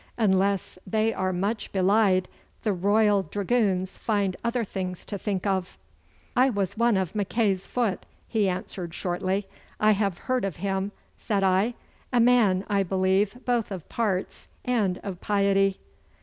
Unless they are much belied, the Royal Dragoons find other things to think of.' 'I was one of Mackay's foot,' he answered shortly. 'I have heard of him,' said I. 'A man, I believe, both of parts and of piety.